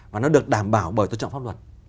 và nó được đảm bảo bởi tôn trọng pháp luật